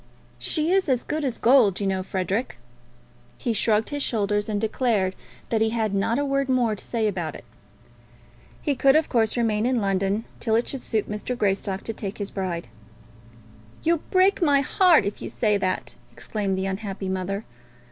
"She is as good as gold, you know, Frederic." He shrugged his shoulders, and declared that he had not a word more to say about it. He could, of course, remain in London till it should suit Mr. Greystock to take his bride. "You'll break my heart if you say that!" exclaimed the unhappy mother.